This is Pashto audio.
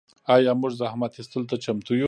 آیا موږ زحمت ایستلو ته چمتو یو؟